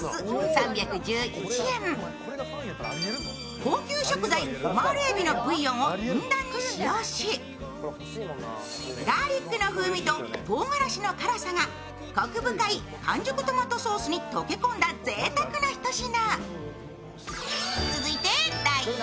高級食材オマール海老のブイヨンをふんだんに使用しガーリックの風味ととうがらしの辛さがコク深い半熟トマトソースに溶け込んだぜいたくな一品。